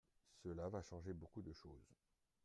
Cela va changer beaucoup de choses.